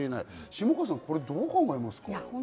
下川さん、どう考えますか？